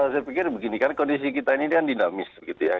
saya pikir begini kan kondisi kita ini kan dinamis gitu ya